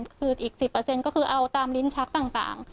คืออีก๑๐ก็คือเอาตามลิ้นชักต่าง